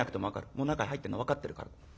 もう中へ入ってんの分かってるから」。